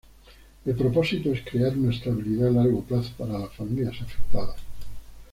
El propósito es crear una estabilidad a largo plazo para las familias afectadas.